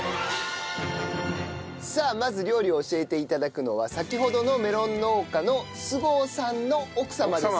さあまず料理を教えて頂くのは先ほどのメロン農家の菅生さんの奥様です。